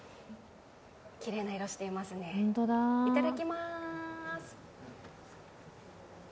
きれいな色をしていますね、いただきます。